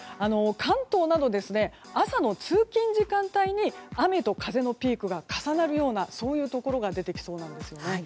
関東など朝の通勤時間帯に雨と風のピークが重なるようなところが出てきそうなんですよね。